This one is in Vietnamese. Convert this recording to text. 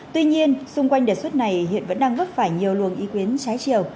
tuy nhiên xung quanh đề xuất này hiện vẫn đang vấp phải nhiều luồng ý kiến trái chiều